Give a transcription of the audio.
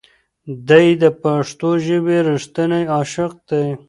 دی د پښتو ژبې رښتینی عاشق دی.